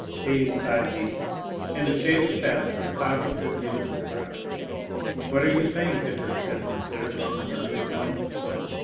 Haydée sighed deeply, and a shade of sadness clouded her beautiful brow. "What are you saying to her?" said Morcerf in an undertone.